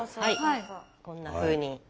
こんなふうに。